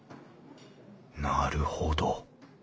なるほど。